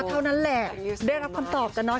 เท่านั้นแหละได้รับคำตอบกันเนาะ